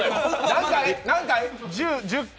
何回？